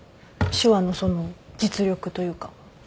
手話のその実力というか。